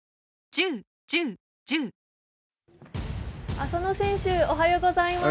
浅野選手、おはようございます。